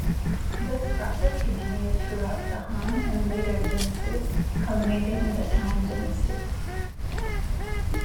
This process continued throughout the Han and later dynasties, culminating in the Tang Dynasty.